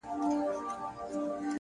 د بازار ورو غږ د ورځې پای ښيي.!